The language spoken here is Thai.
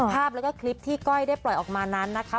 ภาพแล้วก็คลิปที่ก้อยได้ปล่อยออกมานั้นนะคะ